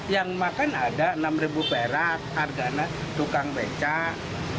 yang makan ada enam perat tukang becak